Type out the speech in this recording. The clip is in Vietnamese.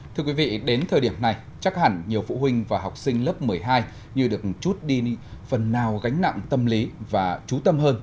thưa quý vị đến thời điểm này chắc hẳn nhiều phụ huynh và học sinh lớp một mươi hai như được chút đi phần nào gánh nặng tâm lý và trú tâm hơn